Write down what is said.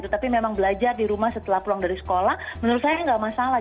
tapi memang belajar di rumah setelah pulang dari sekolah menurut saya nggak masalah